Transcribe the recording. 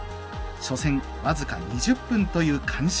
初戦、僅か２０分という完勝。